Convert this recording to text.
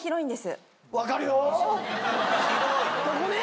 ここね？